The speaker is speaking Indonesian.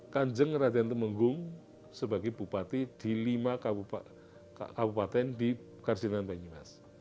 kanjeng raden temenggung sebagai bupati di lima kabupaten di kardinand banyumas